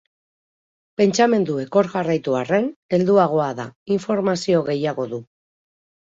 Pentsamenduek hor jarraitu arren, helduagoa da, informazio gehiago du.